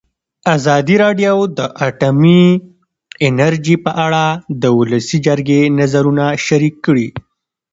ازادي راډیو د اټومي انرژي په اړه د ولسي جرګې نظرونه شریک کړي.